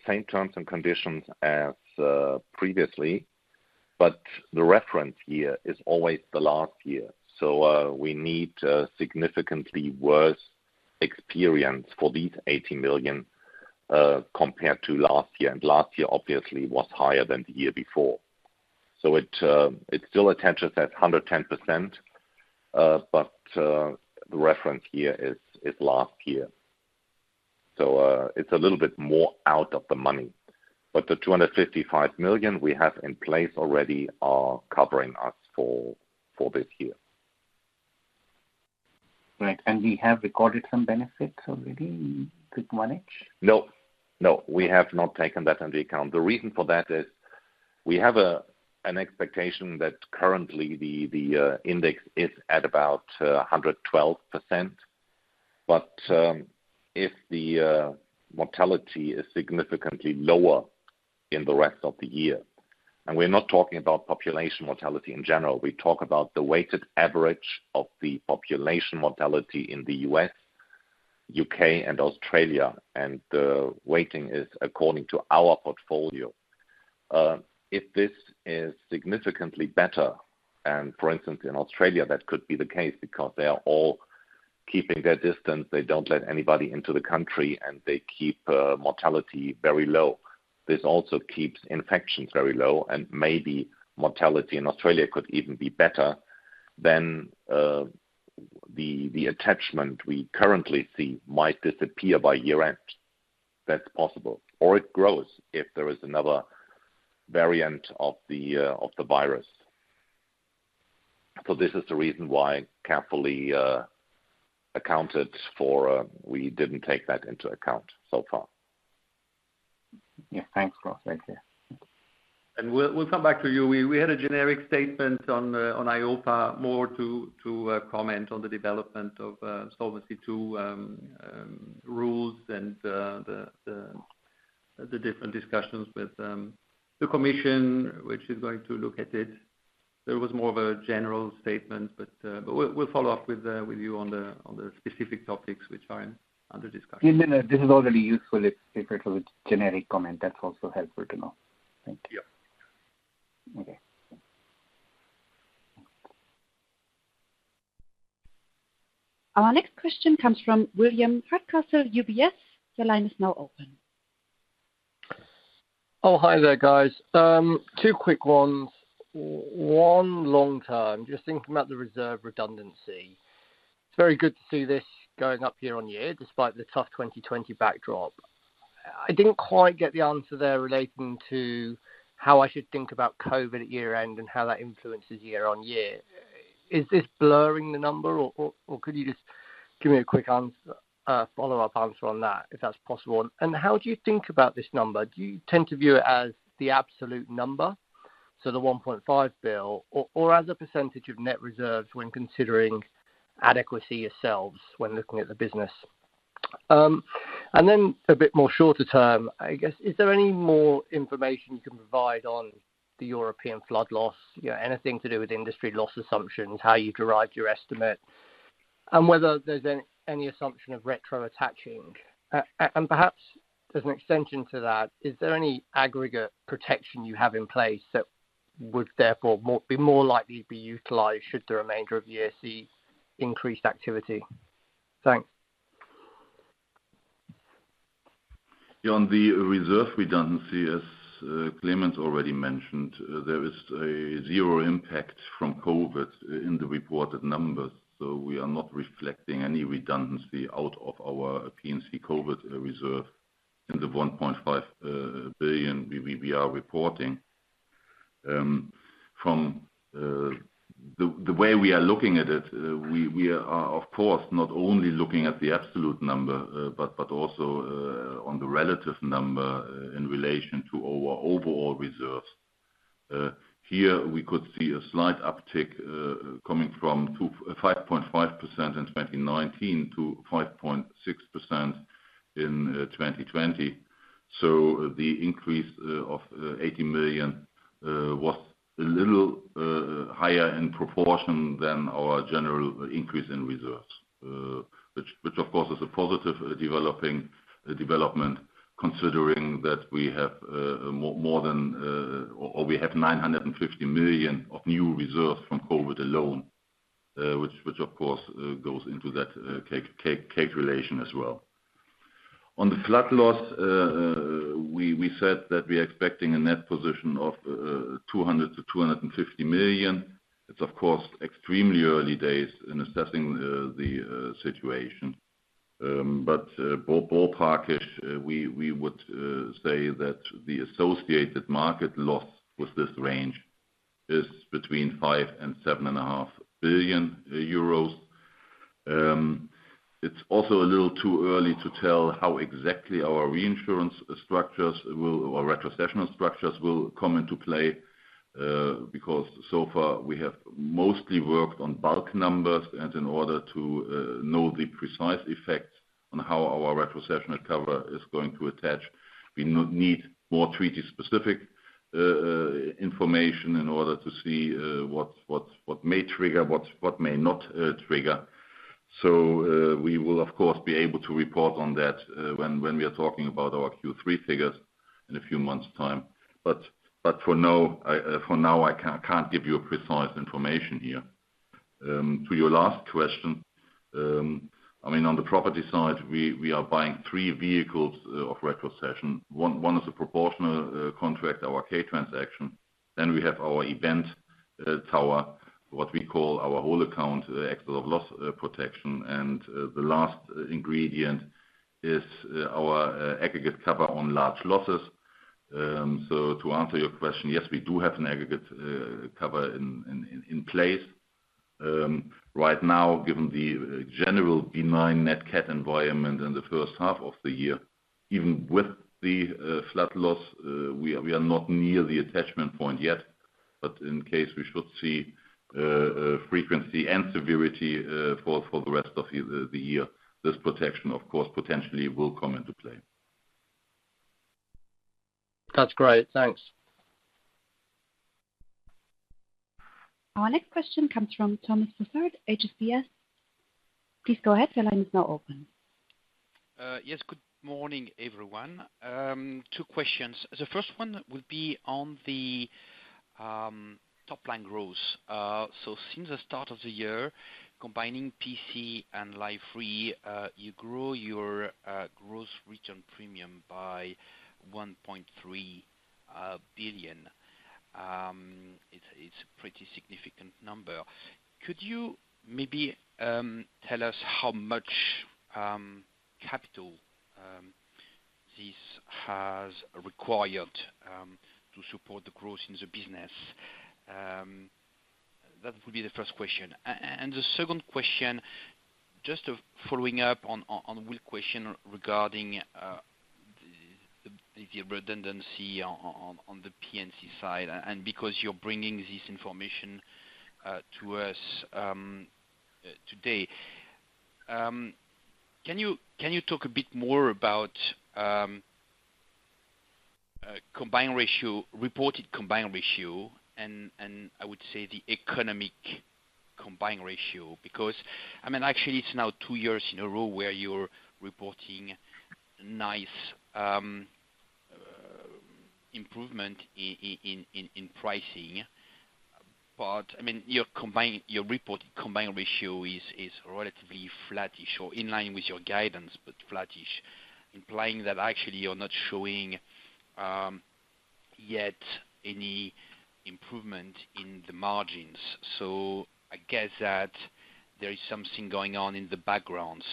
Same terms and conditions as previously, but the reference year is always the last year. We need a significantly worse experience for these 80 million, compared to last year. Last year, obviously, was higher than the year before. It still attaches at 110%, but the reference year is last year. It's a little bit more out of the money, but the 255 million we have in place already are covering us for this year. Right. And we have recorded some benefits already, quick manage? No. We have not taken that into account. The reason for that is we have an expectation that currently, the index is at about 112%, but if the mortality is significantly lower in the rest of the year. We're not talking about population mortality in general. We talk about the weighted average of the population mortality in the U.S., U.K., and Australia, and the weighting is according to our portfolio. If this is significantly better, and for instance, in Australia, that could be the case because they are all keeping their distance, they don't let anybody into the country, and they keep mortality very low, this also keeps infections very low, and maybe mortality in Australia could even be better than the attachment we currently see might disappear by year-end. That's possible. Or it grows if there is another variant of the virus. This is the reason why carefully accounted for, we didn't take that into account so far. Yeah. Thanks, Klaus. Thank you. We'll come back to you. We had a generic statement on EIOPA more to comment on the development of Solvency II rules and the different discussions with the commission, which is going to look at it. There was more of a general statement. We'll follow up with you on the specific topics which are under discussion. Yeah, no. This is already useful. It's preferred for the generic comment. That's also helpful to know. Thank you. Yeah. Okay. Our next question comes from William Hardcastle, UBS. Your line is now open. Oh, hi there, guys. Two quick ones. One long term, just thinking about the reserve redundancy. It's very good to see this going up year-on-year, despite the tough 2020 backdrop. I didn't quite get the answer there relating to how I should think about COVID at year-end and how that influences year-on-year. Is this blurring the number, or could you just give me a quick follow-up answer on that, if that's possible? How do you think about this number? Do you tend to view it as the absolute number, so the 1.5 billion, or as a percent of net reserves when considering adequacy yourselves when looking at the business? Then a bit more shorter term, I guess, is there any more information you can provide on the European flood loss? Anything to do with industry loss assumptions, how you derive your estimate, and whether there's any assumption of retro attaching. Perhaps as an extension to that, is there any aggregate protection you have in place that would therefore be more likely to be utilized should the remainder of the year see increased activity? Thanks. On the reserve redundancy, as Clemens already mentioned, there is a zero impact from COVID in the reported numbers. We are not reflecting any redundancy out of our P&C COVID reserve in the 1.5 billion we are reporting. From the way we are looking at it, we are of course not only looking at the absolute number, but also on the relative number in relation to our overall reserves. Here, we could see a slight uptick coming from 5.5% in 2019 to 5.6% in 2020. The increase of 80 million was a little higher in proportion than our general increase in reserves, which of course is a positive development considering that we have more than or we have 950 million of new reserves from COVID alone, which of course goes into that calculation as well. On the flood loss, we said that we are expecting a net position of 200 million-250 million. It's of course extremely early days in assessing the situation. But ballparkish, we would say that the associated market loss with this range is between 5 billion euros and EUR 7.5 billion. It's also a little too early to tell how exactly our reinsurance structures or retrocessional structures will come into play, because so far, we have mostly worked on bulk numbers. In order to know the precise effects on how our retrocessional cover is going to attach, we need more treaty-specific information in order to see what may trigger, what may not trigger. We will, of course, be able to report on that when we are talking about our Q3 figures in a few months time. For now, I can't give you precise information here. To your last question, on the property side, we are buying three vehicles of retrocession. One is a proportional contract, our K transaction, and we have our event tower, what we call our whole account excess of loss protection. The last ingredient is our aggregate cover on large losses. To answer your question, yes, we do have an aggregate cover in place. Right now, given the general benign net cat environment in the first half of the year, even with the flood loss, we are not near the attachment point yet. In case we should see frequency and severity for the rest of the year, this protection, of course, potentially will come into play. That's great. Thanks. Our next question comes from Thomas Fossard, HSBC. Please go ahead. Your line is now open. Yes. Good morning, everyone. Two questions. The first one would be on the top line growth. Since the start of the year, combining P&C and Life re, you grow your gross written premium by EUR 1.3 billion. It's a pretty significant number. Could you maybe tell us how much capital this has required to support the growth in the business? That would be the first question. The second question, just following up on Will's question regarding the redundancy on the P&C side, and because you're bringing this information to us today. Can you talk a bit more about reported combined ratio and I would say the economic combined ratio? Actually, it's now two years in a row where you're reporting nice improvement in pricing, but your reported combined ratio is relatively flattish or in line with your guidance, but flattish, implying that actually you're not showing yet any improvement in the margins. I guess that there is something going on in the background.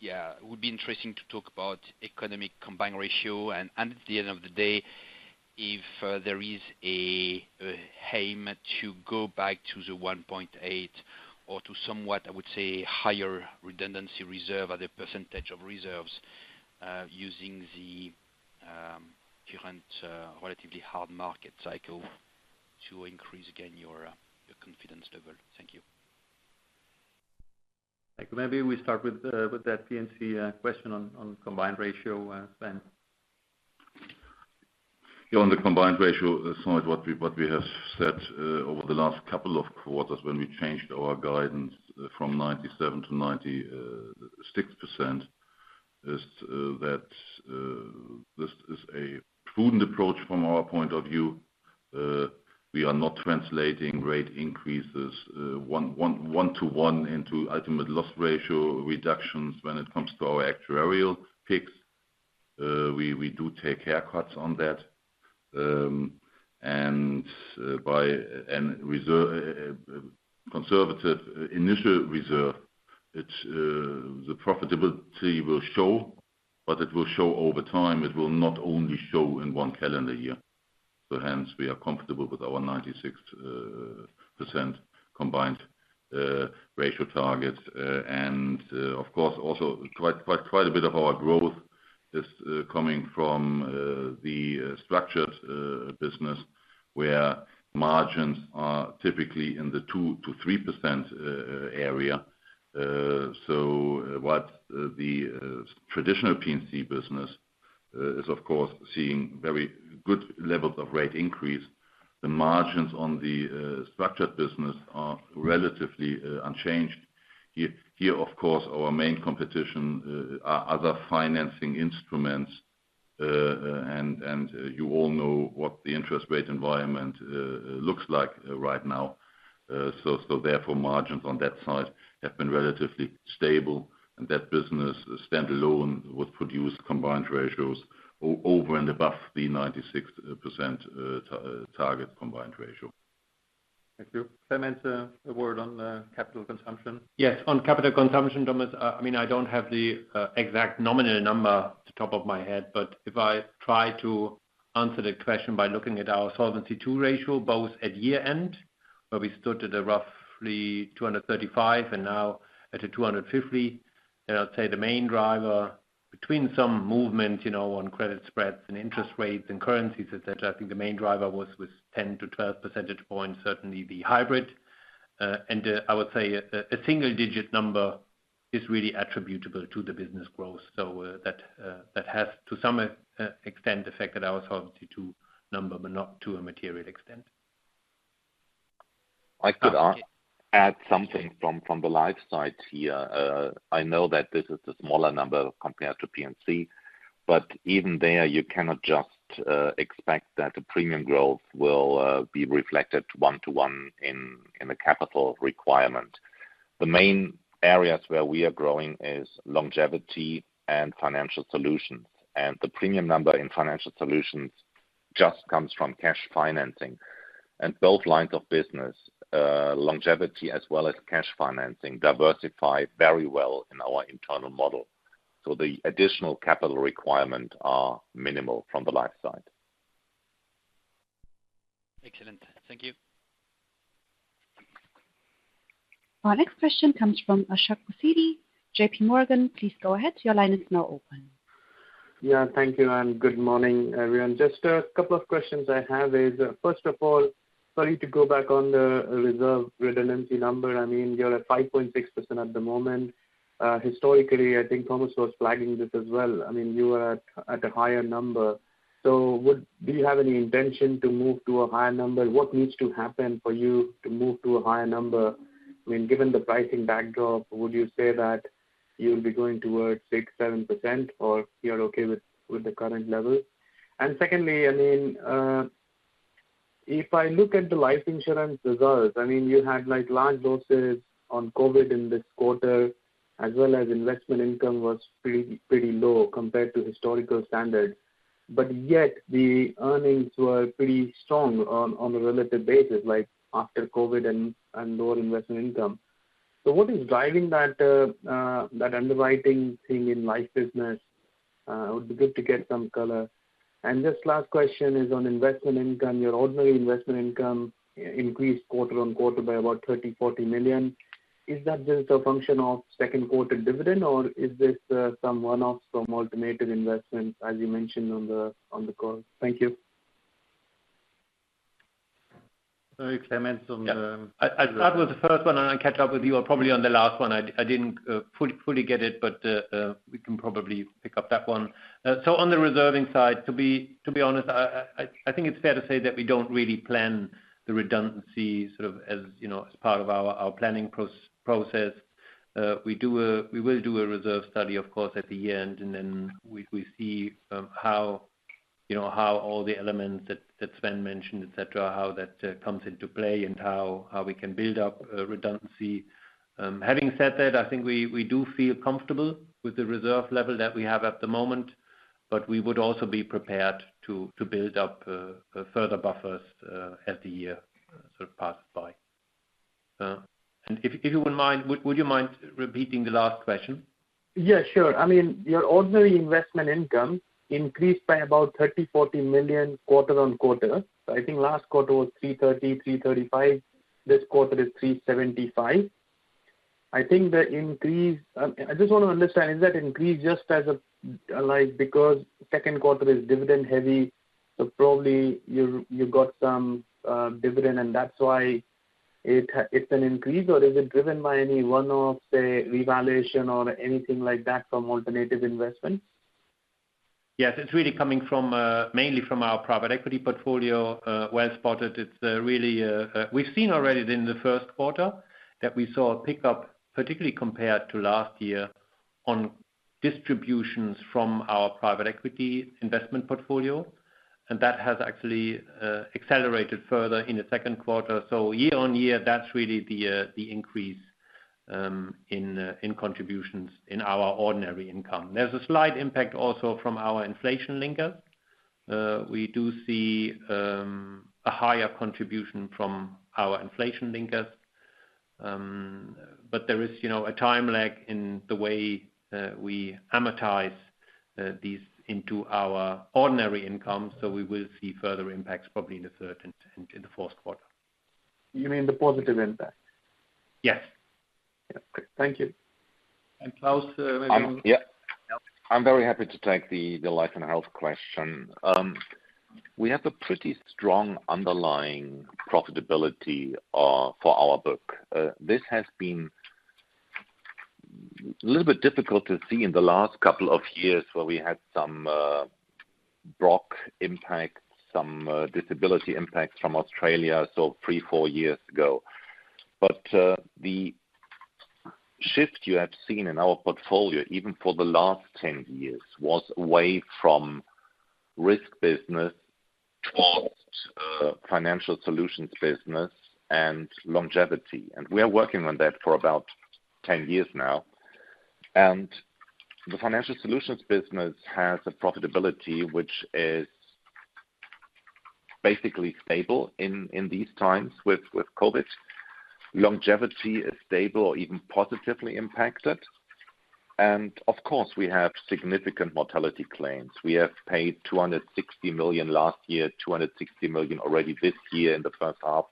Yeah, it would be interesting to talk about economic combined ratio. At the end of the day, if there is an aim to go back to the 1.8% or to somewhat, I would say, higher redundancy reserve as a percentage of reserves, using the current relatively hard market cycle to increase again your confidence level. Thank you. Thank you. Maybe, we start with that P&C question on combined ratio, Sven. On the combined ratio side, what we have said over the last couple of quarters when we changed our guidance from 97% to 96%, is that this is a prudent approach from our point of view. We are not translating rate increases 1:1 into ultimate loss ratio reductions when it comes to our actuarial picks. We do take haircuts on that. By conservative initial reserve, the profitability will show, but it will show over time. It will not only show in one calendar year. Hence, we are comfortable with our 96% combined ratio target. Of course, also quite a bit of our growth is coming from the structured business, where margins are typically in the 2%-3% area. What the traditional P&C business is, of course, seeing very good levels of rate increase. The margins on the structured business are relatively unchanged. Here, of course, our main competition are other financing instruments. You all know what the interest rate environment looks like right now. Therefore, margins on that side have been relatively stable, and that business standalone would produce combined ratios over and above the 96% target combined ratio. Thank you. Clemens, a word on capital consumption. Yes. On capital consumption, Thomas, I don't have the exact nominal number at the top of my head. But if I try to answer the question by looking at our Solvency II ratio, both at year-end, where we stood at roughly 235% and now at a 250%, I would say the main driver between some movement on credit spreads and interest rates and currencies, et cetera, I think the main driver was with 10-12 percentage points, certainly the hybrid. Then, I would say, a single-digit number is really attributable to the business growth. That has, to some extent, affected our Solvency II number, but not to a material extent. I could add something from the Life side here. I know that this is a smaller number compared to P&C, but even there, you cannot just expect that the premium growth will be reflected 1:1 in the capital requirement. The main areas where we are growing is longevity and financial solutions, and the premium number in financial solutions just comes from cash financing. Both lines of business, longevity as well as cash financing, diversify very well in our internal model. The additional capital requirement are minimal from the Life side. Excellent. Thank you. Our next question comes from Ashik Musaddi, JPMorgan. Please go ahead. Your line is now open. Thank you and good morning, everyone. Just a couple of questions I have is, first of all, sorry to go back on the reserve redundancy number. You are at 5.6% at the moment, historically, I think Thomas was flagging this as well, you are at a higher number, so do you have any intention to move to a higher number? What needs to happen for you to move to a higher number? Given the pricing backdrop, would you say that you will be going towards 6%, 7%, or you are okay with the current level? Secondly, if I look at the life insurance results, you had large losses on COVID in this quarter, as well as investment income was pretty low compared to historical standards, but yet the earnings were pretty strong on a relative basis, like after COVID and lower investment income. What is driving that underwriting thing in Life business? Would be good to get some color. Just last question is on investment income. Your ordinary investment income increased quarter-on-quarter by about 30 million-40 million. Is that just a function of second quarter dividend, or is this some one-off from alternative investments, as you mentioned on the call? Thank you. Sorry, Clemens? That was the first one, and I'll catch up with you probably on the last one. I didn't fully get it, but we can probably pick up that one. On the reserving side, to be honest, I think it's fair to say that we don't really plan the redundancy sort of as part of our planning process. We will do a reserve study, of course, at the year-end, and then we see how all the elements that Sven mentioned, et cetera, how that comes into play and how we can build up redundancy. Having said that, I think we do feel comfortable with the reserve level that we have at the moment, but we would also be prepared to build up further buffers as the year sort of passes by. If you wouldn't mind, would you mind repeating the last question? Yeah, sure. Your ordinary investment income increased by about 30 million, 40 million quarter-on-quarter. I think last quarter was 330 million, 335 million. This quarter is 375 million. I think that increase, I just want to understand, is that increase just as because second quarter is dividend heavy, so probably you got some dividend and that's why it's an increase, or is it driven by any one-off, say, revaluation or anything like that from alternative investments? Yes, it's really coming mainly from our private equity portfolio. Well spotted. We've seen already in the first quarter that we saw a pickup, particularly compared to last year, on distributions from our private equity investment portfolio, and that has actually accelerated further in the second quarter. Year-on-year, that's really the increase in contributions in our ordinary income. There's a slight impact also from our inflation linker. We do see a higher contribution from our inflation linkers. There is a time lag in the way we amortize these into our ordinary income. We will see further impacts probably in the third and in the fourth quarter. You mean the positive impact? Yes. Yeah. Okay. Thank you. And Klaus? Yeah. I'm very happy to take the Life and Health question. We have a pretty strong underlying profitability for our book. This has been a little bit difficult to see in the last couple of years, where we had some block impact, some disability impacts from Australia, so three, four years ago. The shift you have seen in our portfolio, even for the last 10 years, was away from risk business towards financial solutions business and longevity. We are working on that for about 10 years now. The financial solutions business has a profitability which is basically stable in these times with COVID. Longevity is stable or even positively impacted. Of course, we have significant mortality claims. We have paid 260 million last year, 260 million already this year in the first half,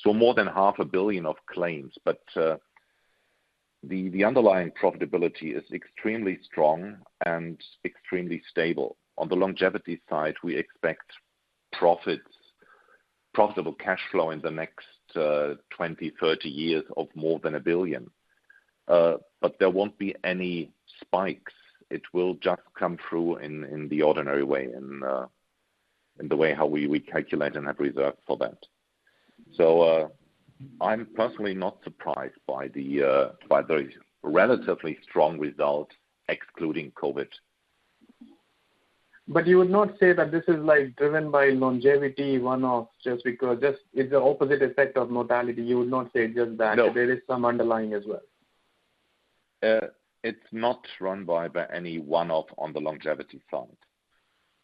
so more than 500 million of claims, but the underlying profitability is extremely strong and extremely stable. On the longevity side, we expect profitable cash flow in the next 20, 30 years of more than 1 billion. But there won't be any spikes, it will just come through in the ordinary way, in the way how we calculate and have reserved for that. I'm personally not surprised by those relatively strong results, excluding COVID. But you would not say that this is driven by longevity one-offs just because this is the opposite effect of mortality. You would not say just that. No. There is some underlying as well? It's not run by any one-off on the longevity front.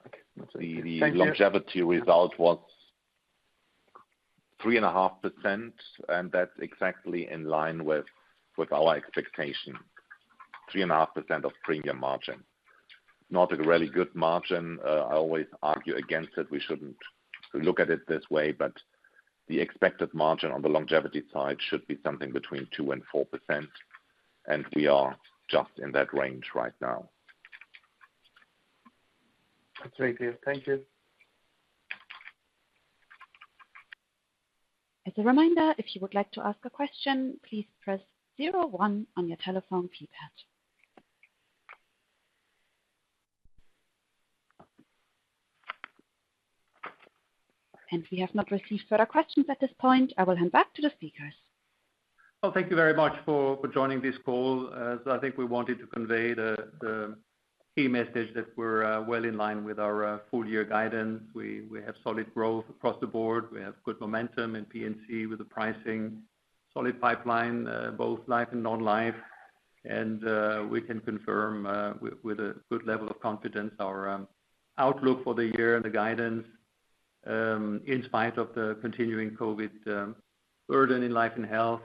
Okay. That's okay. Thank you. The longevity result was 3.5%, and that's exactly in line with our expectation, 3.5% of premium margin. Not a really good margin, I always argue against it. We shouldn't look at it this way, but the expected margin on the longevity side should be something between 2% and 4%, and we are just in that range right now. That's very clear. Thank you. As a reminder, if you would like to ask a question, please press zero one on your telephone keypad. We have not received further questions at this point. I will hand back to the speakers. Well, thank you very much for joining this call. I think we wanted to convey the key message that we're well in line with our full-year guidance. We have solid growth across the board. We have good momentum in P&C with the pricing. Solid pipeline, both life and non-life. We can confirm with a good level of confidence our outlook for the year and the guidance, in spite of the continuing COVID burden in Life and Health.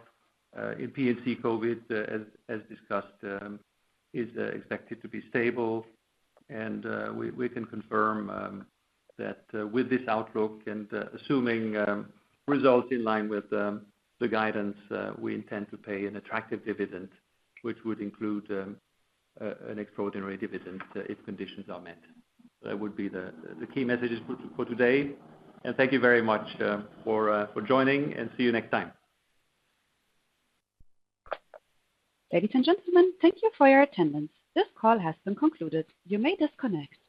In P&C, COVID, as discussed, is expected to be stable. We can confirm that with this outlook and assuming results in line with the guidance, we intend to pay an attractive dividend, which would include an extraordinary dividend, if conditions are met. That would be the key messages for today. Thank you very much for joining and see you next time. Ladies and gentlemen, thank you for your attendance. This call has been concluded. You may disconnect.